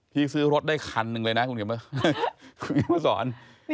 พี่ซื้อรถได้คันหนึ่งเลยนะคุณเหนียวมาสอน